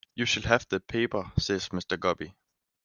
"You shall have the paper," says Mr. Guppy.